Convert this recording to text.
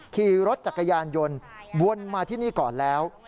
ขี่รถจักรยานยนต์วนมาที่นี่ก่อนแล้ว